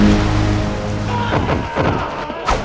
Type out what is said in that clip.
ini tuhan yang berhdebat